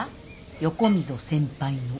横溝先輩の。